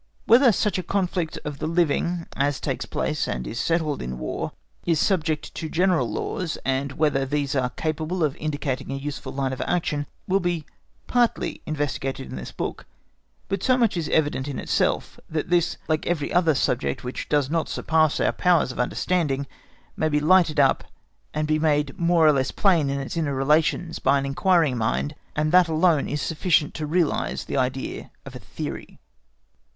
Whether such a conflict of the living, as takes place and is settled in War, is subject to general laws, and whether these are capable of indicating a useful line of action, will be partly investigated in this book; but so much is evident in itself, that this, like every other subject which does not surpass our powers of understanding, may be lighted up, and be made more or less plain in its inner relations by an inquiring mind, and that alone is sufficient to realise the idea of a THEORY.